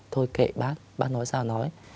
thôi kệ bác bác nói sao nói